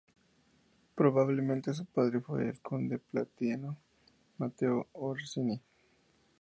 Probablemente su padre fue el conde palatino Mateo I Orsini.